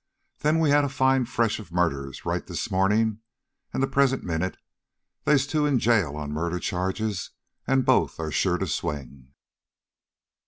Then we had a fine fresh murder right this morning, and the present minute they's two in jail on murder charges, and both are sure to swing!"